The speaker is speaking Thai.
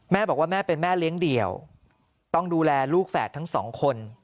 แม่บอกว่าแม่เป็นแม่เลี้ยงเดี่ยวต้องดูแลลูกแฝดทั้งสองคน